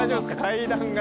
階段が。